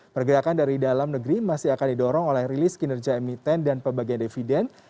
pergerakan dari dalam negeri masih akan didorong oleh rilis kinerja emiten dan pembagian dividen